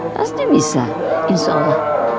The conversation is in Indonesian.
pasti bisa insya allah